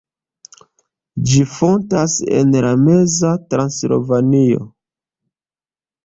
Ĝi fontas en la meza Transilvanio.